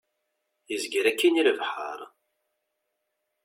Izger akkin i lebḥer.